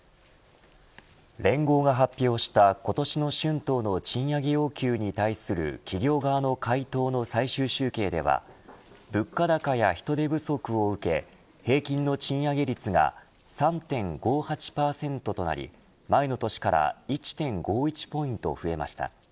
連合が発表した今年の春闘の賃上げ要求に対する企業側の回答の最終集計では物価高や人手不足を受け平均の賃上げ率が３．５８％となり前の年から１．５１ポイント増えました。